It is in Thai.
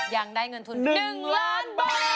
ยังได้เงินทุน๑ล้านบาท